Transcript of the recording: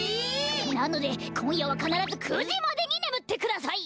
なのでこんやはかならず９じまでにねむってください。